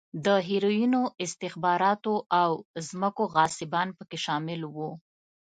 د هیروینو، استخباراتو او ځمکو غاصبان په کې شامل و.